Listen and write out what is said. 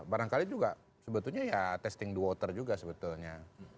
barangkali juga sebetulnya ya testing the water juga sebetulnya